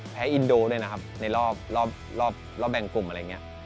อินโดด้วยนะครับในรอบแบ่งกลุ่มอะไรอย่างนี้